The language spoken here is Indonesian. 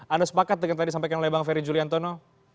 anda sepakat dengan tadi sampaikan oleh bang ferry juliantono